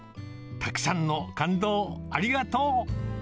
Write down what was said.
たくさんの感動をありがとう。